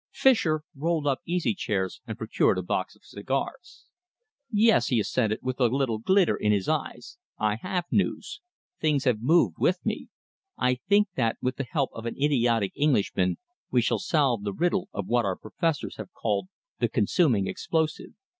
Fischer rolled up easy chairs and produced a box of cigars. "Yes," he assented, with a little glitter in his eyes, "I have news. Things have moved with me. I think that, with the help of an idiotic Englishman, we shall solve the riddle of what our professors have called the consuming explosive.